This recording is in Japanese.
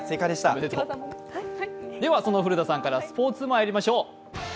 では、古田さんからスポーツまいりましょう。